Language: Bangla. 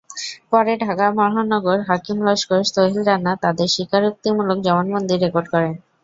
পরে ঢাকার মহানগর হাকিম লস্কর সোহেল রানা তাদের স্বীকারোক্তিমূলক জবানবন্দি রেকর্ড করেন।